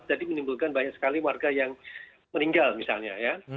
jadi menimbulkan banyak sekali warga yang meninggal misalnya